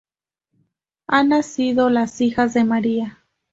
Han nacido las Hijas de María.